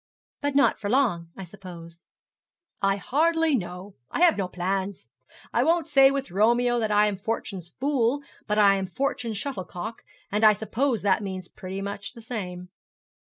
'But not for long, I suppose.' 'I hardly know. I have no plans. I won't say with Romeo that I am fortune's fool but I am fortune's shuttlecock; and I suppose that means pretty much the same.'